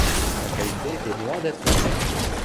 La qualité était loin d'être la même.